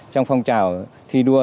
trong phong trào thi đua